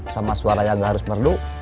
sama suara yang gak harus merdu